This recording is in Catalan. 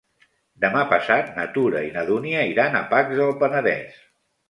Demà passat na Tura i na Dúnia iran a Pacs del Penedès.